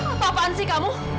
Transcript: apa apaan sih kamu